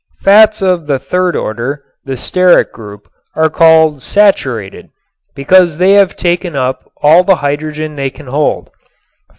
Fats of the third order, the stearic group, are called "saturated" because they have taken up all the hydrogen they can hold.